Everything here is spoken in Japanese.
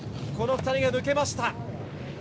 この２人が抜けました。